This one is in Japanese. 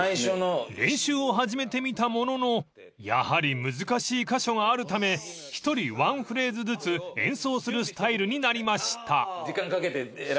［練習を始めてみたもののやはり難しい箇所があるため１人ワンフレーズずつ演奏するスタイルになりました］